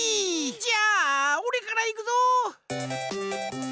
じゃあおれからいくぞ！